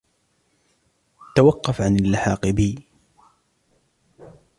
توقف عن اللحاق بي.